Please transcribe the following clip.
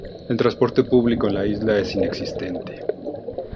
El transporte público en la isla es inexistente.